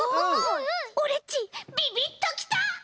オレっちビビッときた！